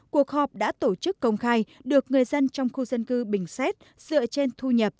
cuộc họp đã tổ chức công khai được người dân trong khu dân cư bình xét dựa trên thu nhập